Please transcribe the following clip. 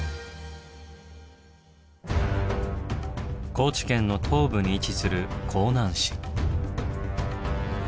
高知県の東部に位置する香南市。